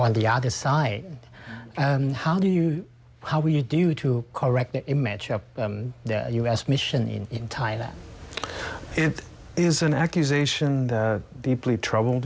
คุณบอกว่าสถานการณ์ที่สุดของประเทศไทยและประเทศจีนเป็นสิ่งที่เป็นสิ่งที่สุดของทุกคน